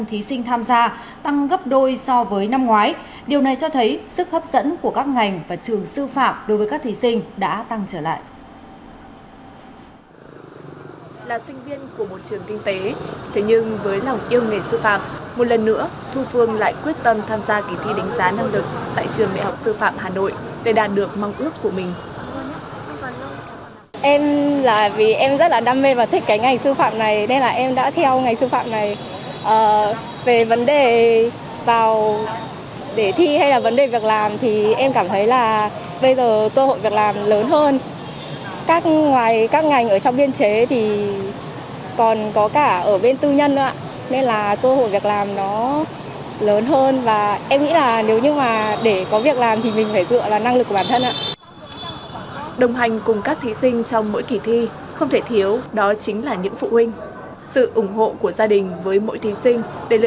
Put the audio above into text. thế nhưng với lòng yêu nghề sư phạm một lần nữa thu phương lại quyết tâm tham gia kỳ thi đánh giá năng lực tại trường bệ học sư phạm hà nội để đạt được mong ước của mình